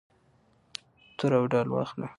توره او ډال واخله.